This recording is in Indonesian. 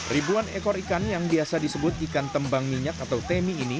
ribuan ekor ikan yang biasa disebut ikan tembang minyak atau temi ini